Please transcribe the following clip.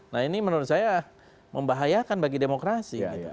nah ini menurut saya membahayakan bagi demokrasi